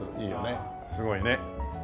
すごいね。